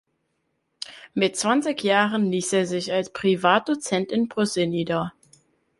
Mit zwanzig Jahren ließ er sich als Privatdozent in Brüssel nieder.